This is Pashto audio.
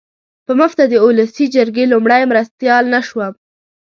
په مفته د اولسي جرګې لومړی مرستیال نه شوم.